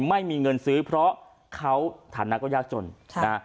ไม่มีเงินซื้อเพราะเขาฐานนัก่วยากจนครับธ่ะ